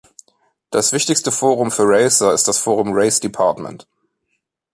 Das wichtigste Forum für Racer ist das Forum RaceDepartment.